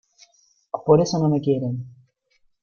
Por eso no me quieren.